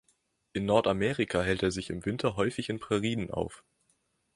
In Nordamerika hält er sich im Winter häufig in Prärien auf.